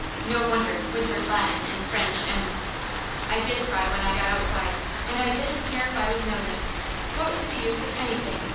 No wonder, with her Latin, and French, and " I did cry when I got outside, and I didn't care if I was noticed. What was the use of anything?